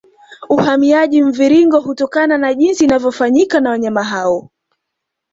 Uhamiaji Mviringo hutokana na jinsi inavyofanyika na wanyama hao